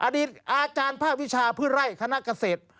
อดีตอาจารย์ภาควิชาพืชไร่คณะเกษตร